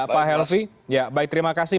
pak helvi terima kasih